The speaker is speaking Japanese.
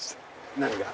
何が？